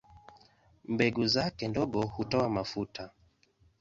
Mbegu zake ndogo hutoa mafuta.